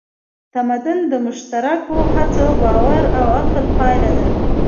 تمدن د مشترکو هڅو، باور او عقل پایله ده.